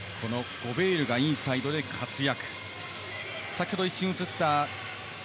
ゴベールがインサイドで活躍。